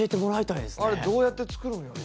あれどうやって作るんやろう？